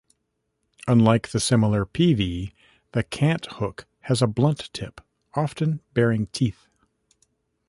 Unlike the similar peavey, the cant hook has a blunt tip, often bearing teeth.